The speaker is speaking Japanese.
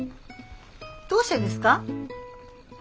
どうしてですか？